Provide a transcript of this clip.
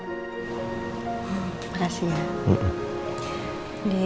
terima kasih ya